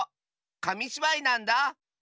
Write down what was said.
かみしばいなんだ。